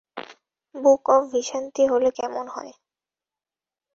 বুক অব ভিশান্তি হলে কেমন হয়?